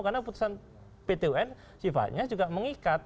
karena putusan pt wn sifatnya juga mengikat